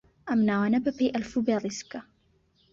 ئەم ناوانە بەپێی ئەلفوبێ ڕیز بکە.